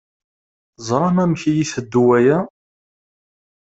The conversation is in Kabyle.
Teẓṛam amek i iteddu waya?